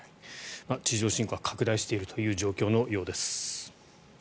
地上侵攻は拡大しているという状況のようです。